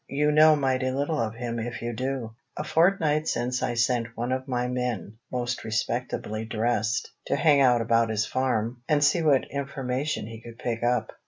You know mighty little of him if you do. A fortnight since I sent one of my men (most respectably dressed) to hang about his farm, and see what information he could pick up.